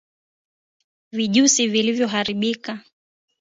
Vijusi vilivyoharibika